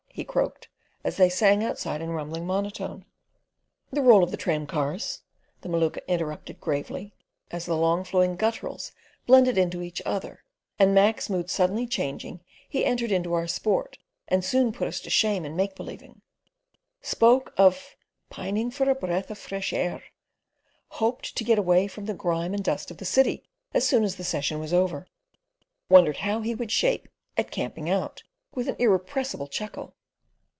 he croaked, as they sang outside in rumbling monotone. "The roll of the tramcars," the Maluka interpreted gravely, as the long flowing gutturals blended into each other; and Mac's mood suddenly changing he entered into our sport, and soon put us to shame in make believing; spoke of "pining for a breath of fresh air"; "hoped" to get away from the grime and dust of the city as soon as the session was over; wondered how he would shape "at camping out," with an irrepressible chuckle.